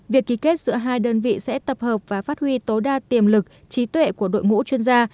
việc ký kết giữa hai đơn vị sẽ tập hợp và phát huy tối đa tiềm lực trí tuệ của đội ngũ chuyên gia